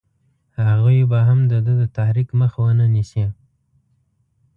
هغوی به هم د ده د تحریک مخه ونه نیسي.